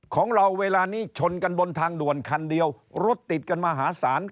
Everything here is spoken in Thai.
ของเราเวลานี้ชนกันบนทางด่วนคันเดียวรถติดกันมหาศาล